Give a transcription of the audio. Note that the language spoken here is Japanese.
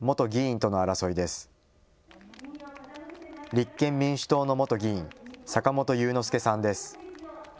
立憲民主党の元議員、坂本祐之輔さんです。